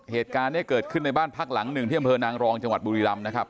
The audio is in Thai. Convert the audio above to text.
เหตุการณ์นี้เกิดขึ้นในบ้านพักหลังหนึ่งที่อำเภอนางรองจังหวัดบุรีรำนะครับ